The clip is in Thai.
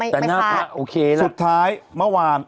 สุดท้ายเมื่อวาน